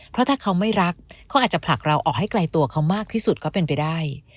เพราะถ้าเขาไม่รักเขาอาจจะผลักเราออกให้ไกลตัวเขามากที่สุดก็เป็นไปได้